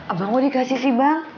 abang mau dikasih si bank